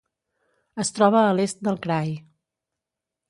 Es troba a l'est del krai.